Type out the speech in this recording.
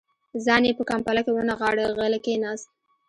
ځان يې په کمپله کې ونغاړه، غلی کېناست.